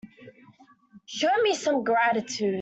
Show me some gratitude.